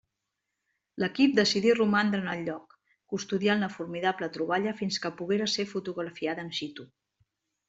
L'equip decidí romandre en el lloc, custodiant la formidable troballa fins que poguera ser fotografiada in situ.